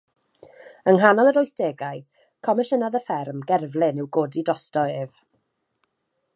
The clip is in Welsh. Yng nghanol yr wythdegau, comisiynodd y fferm gerflun i'w godi drosto ef.